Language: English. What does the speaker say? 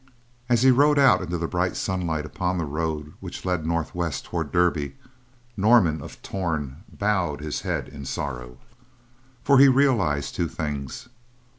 As he rode out into the bright sunlight upon the road which led northwest toward Derby, Norman of Torn bowed his head in sorrow, for he realized two things.